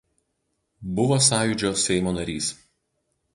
Buvo Sąjūdžio Seimo narys.